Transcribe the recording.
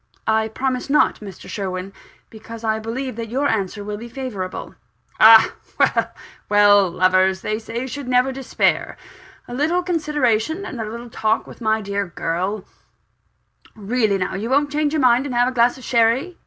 "I promise not, Mr. Sherwin because I believe that your answer will be favourable." "Ah, well well! lovers, they say, should never despair. A little consideration, and a little talk with my dear girl really now, won't you change your mind and have a glass of sherry?